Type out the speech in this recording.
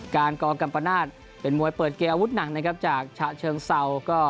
การกรกรรมนาทเป็นมวยเปิดเกรย์อาวุธหนักจากจฺโชงเซา